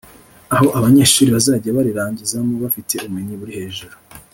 aho abanyeshuri bazajya barirangizamo bafite ubumenyi buri hejuru